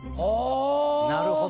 なるほど！